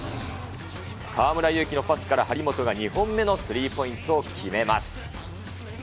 河村勇輝のパスから張本が２本目のスリーポイントを決めます。